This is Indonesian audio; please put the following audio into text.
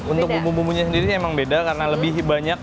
untuk bumbu bumbunya sendiri emang beda karena lebih banyak